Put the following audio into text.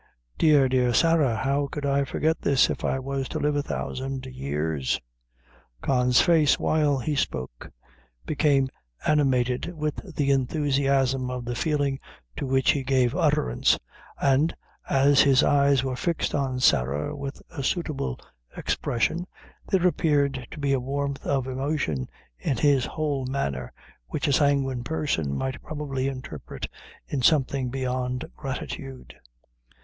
Dear, dear Sarah, how could I forget this if I was to live a thousand years?" Con's face, while he spoke, became animated with the enthusiasm of the feeling to which he gave utterance, and, as his eyes were fixed on Sarah with a suitable expression, there appeared to be a warmth of emotion in his whole manner which a sanguine person might probably interpret in something beyond gratitude.